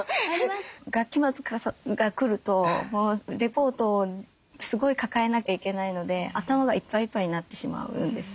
学期末が来るとレポートをすごい抱えなきゃいけないので頭がいっぱいいっぱいになってしまうんですね。